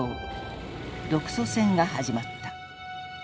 独ソ戦が始まった。